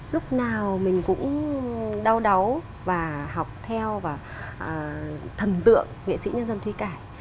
lúc nào mình cũng đau đáu và học theo và thần tượng nghệ sĩ nhân dân thúy cải